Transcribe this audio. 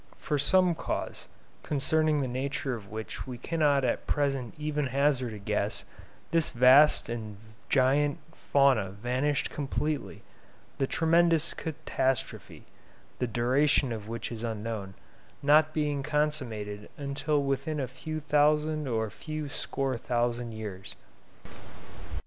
From some cause, concerning the nature of which we cannot at present even hazard a guess, this vast and giant fauna vanished completely, the tremendous catastrophe (the duration of which is unknown) not being consummated until within a few thousand or a few score thousand years.